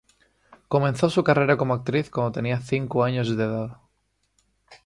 Comenzó su carrera como actriz cuando tenía cinco años de edad.